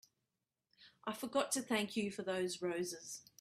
I forgot to thank you for those roses.